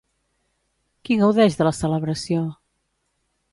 Qui gaudeix de la celebració?